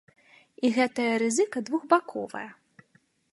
І гэтая рызыка двухбаковая.